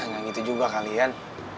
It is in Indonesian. gak gitu juga kalian